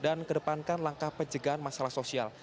dan kedepankan langkah pencegahan masalah sosial